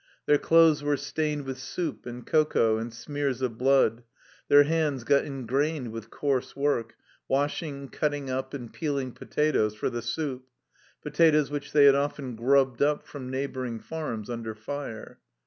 Their clothes were stained with soup and cocoa and smears of blood, their hands got engrained with coarse work washing, cutting up, and peeling potatoes for the soup, potatoes which they had often grubbed up from neighbouring farms under fire.